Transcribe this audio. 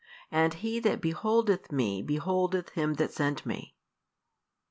And He that beholdeth Me beholdeth Him that sent Me.